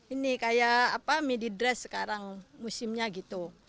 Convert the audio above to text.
ini kayak midi dress sekarang musimnya gitu